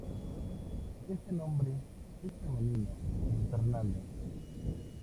Este nombre es el femenino de Fernando.